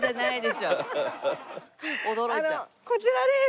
こちらです！